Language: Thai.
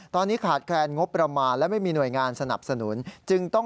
ตอนนี้ขาดแคลนงบประมาณและไม่มีหน่วยงานสนับสนุนจึงต้อง